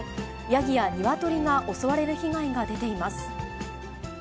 ヤギやニワトリが襲われる被害が出ています。